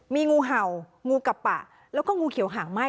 มีงูเห่างูกับปะแล้วก็งูเขียวหางไหม้